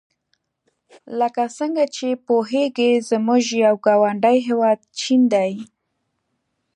لکه څنګه چې پوهیږئ زموږ یو ګاونډي هېواد چین دی.